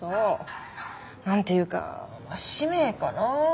なんていうか使命かな。